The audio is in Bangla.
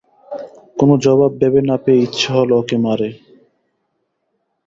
কোনো জবাব ভেবে না পেয়ে ইচ্ছে হল ওকে মারে।